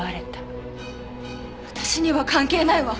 私には関係ないわ！